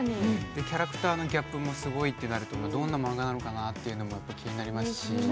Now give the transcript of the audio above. キャラクターのギャップもすごいってなるとどんなマンガなのかなというのも気になりますし。